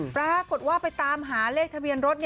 พระพุทธว่าต้องไปตามหาเลขทะเบียนรถ